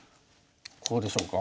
こうでしょうか？